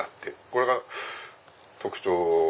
これが特徴。